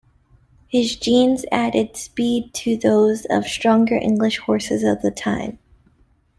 His genes added speed to those of stronger English horses of the time.